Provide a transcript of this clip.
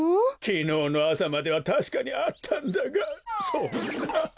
きのうのあさまではたしかにあったんだがそんな。